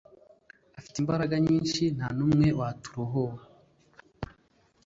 afite imbaraga nyinshi ntanumwe waturohora"